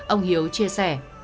ông hiếu chia sẻ